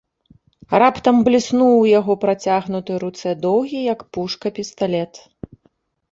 Раптам бліснуў у яго працягнутай руцэ доўгі, як пушка, пісталет.